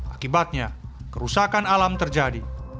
akibatnya kerusakan alam terjadi